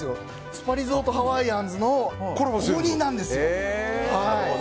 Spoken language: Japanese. スパリゾートハワイアンズの公認なんですよ。